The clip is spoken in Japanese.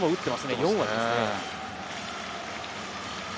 ４割です。